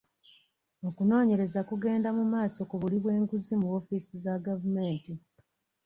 Okunoonyereza kugenda mu maaso ku buli bw'enguzi mu woofiisi za gavumenti.